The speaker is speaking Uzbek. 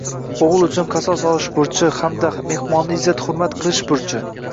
o’g’li uchun qasos olish burchi, hamda mehmonni izzat-hurmat qilish burchi.